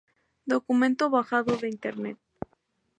Documento bajado de internet.